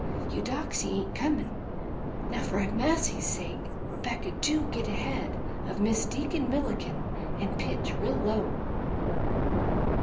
Eudoxy ain't comin'; now for massy's sake, Rebecca, do git ahead of Mis' Deacon Milliken and pitch real low."